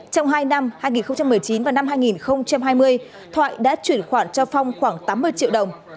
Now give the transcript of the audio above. trong hai năm hai nghìn một mươi chín và năm hai nghìn hai mươi thoại đã chuyển khoản cho phong khoảng tám mươi triệu đồng